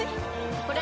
これ！